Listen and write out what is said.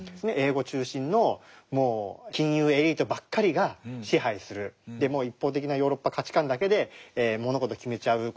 英語中心のもう金融エリートばっかりが支配するもう一方的なヨーロッパ価値観だけで物事を決めちゃう。